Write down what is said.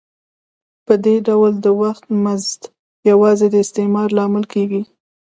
په دې ډول د وخت مزد یوازې د استثمار لامل کېږي